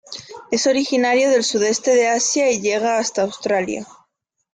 Es originario del Sudeste de Asia y llega hasta Australia.